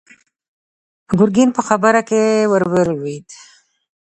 ګرګين په خبره کې ور ولوېد.